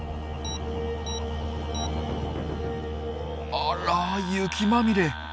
あら雪まみれ。